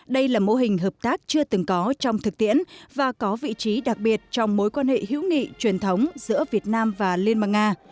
đây là mô hình hợp tác chưa từng có trong thực tiễn và có vị trí đặc biệt trong mối quan hệ hữu nghị truyền thống giữa việt nam và liên bang nga